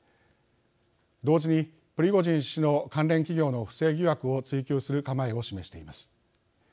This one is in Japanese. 同時にプリゴジン氏の関連企業の不正疑惑を追及する構えを示しています。